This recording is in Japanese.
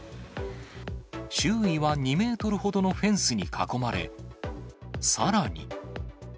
周囲は２メートルほどのフェンスに囲まれ、さらに。